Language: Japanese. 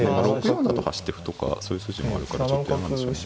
６四だと走って歩とかそういう筋もあるからちょっと嫌なんでしょうね。